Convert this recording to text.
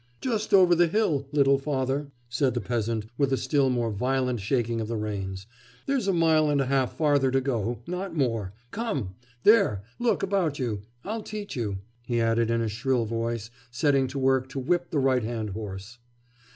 'Just over the hill, little father,' said the peasant, with a still more violent shaking of the reins. 'There's a mile and a half farther to go, not more.... Come! there! look about you.... I'll teach you,' he added in a shrill voice, setting to work to whip the right hand horse.